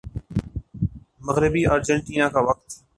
مغربی ارجنٹینا کا وقت